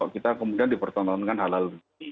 kita kemudian dipertontonkan halal